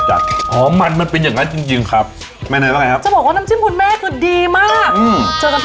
เจอกันที่ร้านแน่นอนค่ะอร่อยมากจริง